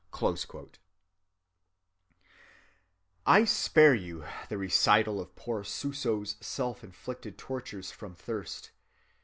(183) I spare you the recital of poor Suso's self‐inflicted tortures from thirst.